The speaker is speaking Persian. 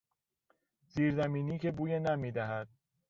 زیرزمینی که بوی نم میدهد